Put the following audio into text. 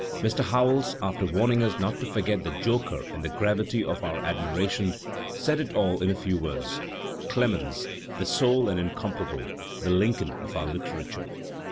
Mr. Howells, after warning us not to forget the joker in the gravity of our admiration, said it all in a few words, ''Clemens, the sole and incomparable, the Lincoln of our literature."